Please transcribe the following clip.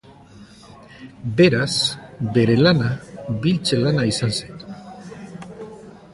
Beraz, bere lana, biltze lana izan zen.